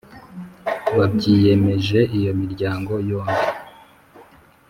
babyiyemeje iyo miryango yombi